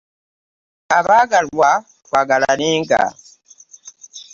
Abaagalwa, twagalanenga.